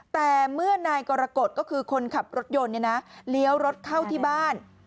แต่เมื่อนายกรกฎก็คือคนขับรถยนต์เลี้ยวรถเข้าที่บ้าน